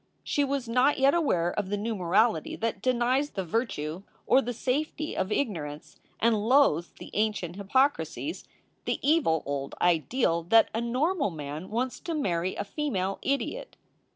She was not yet aware of the new morality that denies the virtue or the safety of ignorance and loathes the ancient hypocrisies, SOULS FOR SALE 367 the evil old ideal that a normal man wants to marry a female idiot.